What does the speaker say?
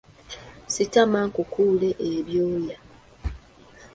Sitama nkukuule ebyoya.